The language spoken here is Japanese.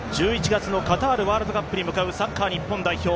１１月のカタールワールドカップに向かうサッカー日本代表。